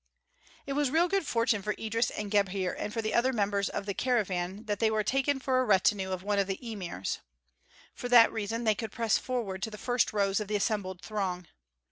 It was real good fortune for Idris and Gebhr, and for the other members of the caravan, that they were taken for a retinue of one of the emirs. For that reason they could press forward to the first rows of the assembled throng.